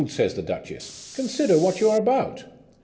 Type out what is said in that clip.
" says the duchess, " consider what you are about."